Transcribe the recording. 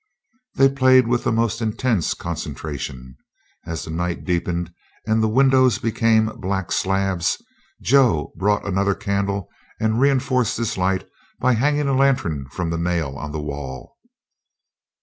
They played with the most intense concentration. As the night deepened and the windows became black slabs Joe brought another candle and reenforced this light by hanging a lantern from a nail on the wall.